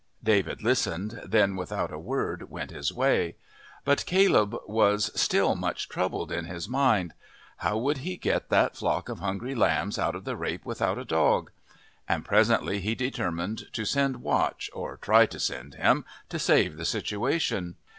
David listened, then without a word went his way. But Caleb was still much troubled in his mind. How would he get that flock of hungry lambs out of the rape without a dog? And presently he determined to send Watch, or try to send him, to save the situation.